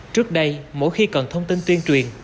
trước đây mỗi khi cần thông tin tuyên truyền